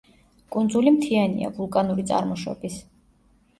კუნძული მთიანია, ვულკანური წარმოშობის.